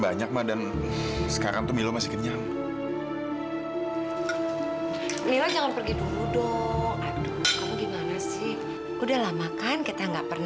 bahkan papa belum sempat minta maaf sama kamu vin